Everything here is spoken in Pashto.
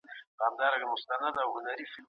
سياست پوهنه د بشري ژوند يوه نه بېلېدونکي برخه ده.